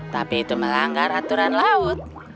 tapi itu melanggar aturan laut